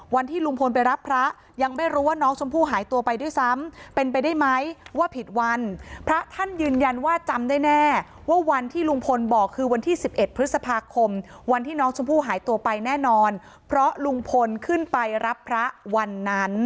วันที่ลุงพลไปรับพระยังไม่รู้ว่าน้องชมพู่หายตัวไปด้วยซ้ำเป็นไปได้ไหมว่าผิดวันพระท่านยืนยันว่าจำได้แน่ว่าวันที่ลุงพลบอกคือวันที่๑๑พฤษภาคมวันที่น้องชมพู่หายตัวไปแน่นอนเพราะลุงพลขึ้นไปรับพระวันนั้น